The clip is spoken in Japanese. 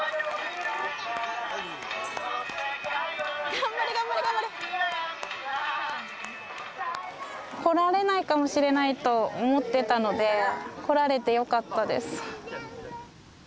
頑張れ頑張れ頑張れ！来られないかもしれないと思っていたので来られてよかったです。